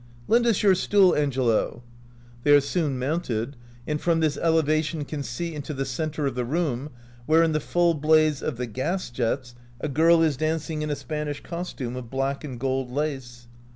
" Lend us your stool, Angelo." They are soon mounted, and from this elevation can see into the center of the room, where in the full blaze of the gas jets a girl is dancing in a Spanish costume of black and gold lace.